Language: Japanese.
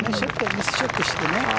ミスショットしてね。